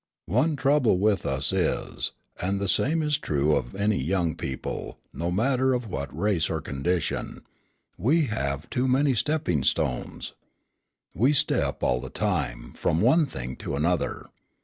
"One trouble with us is and the same is true of any young people, no matter of what race or condition we have too many stepping stones. We step all the time, from one thing to another.